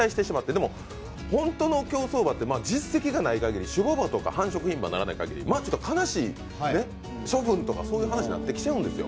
でも、本当の競走馬って実績がないかぎり種ぼ馬とか繁殖ひん馬にならないかぎり悲しい、処分とか、そういう話になってきちゃうんですよ。